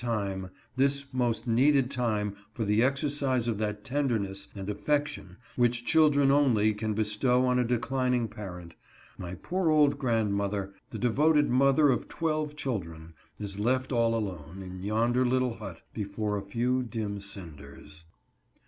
123 time, — this most needed time for the exercise of that tenderness and affection which children only can bestow on a declining parent, — my poor old grandmother, the devoted mother of twelve children, is left all alone, in yonder little hut, before a few dim cinders."